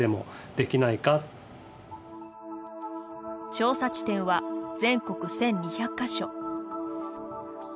調査地点は全国１，２００か所。